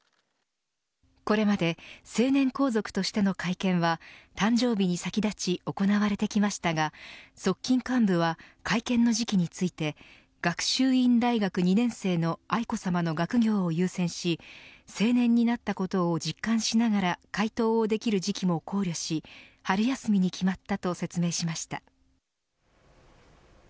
これまで成年皇族としての会見は誕生日に先立ち行われてきましたが側近幹部は会見の時期について学習院大学２年生の愛子さまの学業を優先し成年になったことを実感しながら回答をできる時期も考慮し春休みに決まったと説明しました。